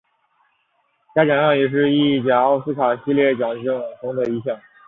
该奖项也是意甲奥斯卡系列奖项中的一项。